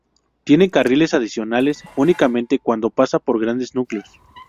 Tiene carriles adicionales únicamente cuando pasa por grandes núcleos.